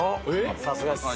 さすがです。